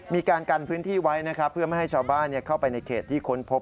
มีการกันพื้นที่ไว้นะครับเพื่อไม่ให้ชาวบ้านเข้าไปในเขตที่ค้นพบ